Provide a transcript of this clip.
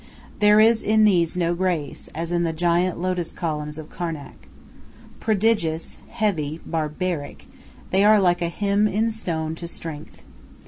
There is in these no grace, as in the giant lotus columns of Karnak. Prodigious, heavy, barbaric, they are like a hymn in stone to Strength.